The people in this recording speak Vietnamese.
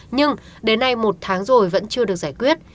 nhưng đến nay một tháng rồi vẫn chưa được giải quyết